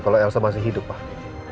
kalau elsa masih hidup pak